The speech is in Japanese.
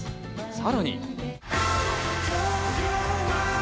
さらに。